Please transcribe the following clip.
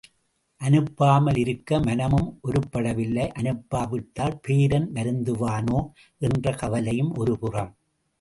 அனுப்பாமல் இருக்க மனமும் ஒருப்படவில்லை அனுப்பாவிட்டால் பேரன் வருந்துவானே என்ற கவலை ஒருபுறம்.